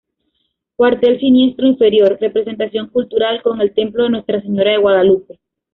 Cuartel siniestro inferior: Representación cultural con el templo de Nuestra Señora de Guadalupe.